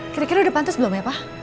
kira kira udah pantas belum ya pak